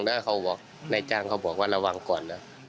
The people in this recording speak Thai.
นายจ้างเขาบอกว่าระวังก่อน